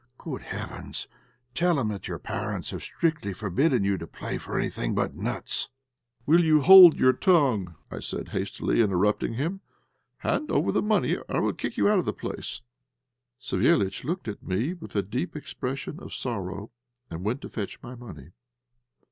Good heavens! Tell him your parents have strictly forbidden you to play for anything but nuts." "Will you hold your tongue?" said I, hastily, interrupting him. "Hand over the money, or I will kick you out of the place." Savéliitch looked at me with a deep expression of sorrow, and went to fetch my money.